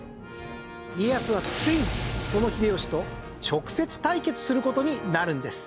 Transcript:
家康はついにその秀吉と直接対決する事になるんです。